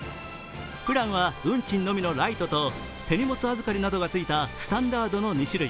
プランは運賃のみのライトと手荷物預かりなどがついたスタンダードの２種類。